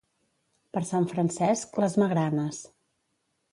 Per Sant Francesc, les magranes.